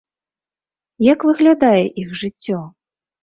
Як выглядае іх жыццё?